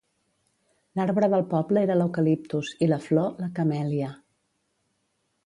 L'arbre del poble era l'eucaliptus i la flor, la camèlia.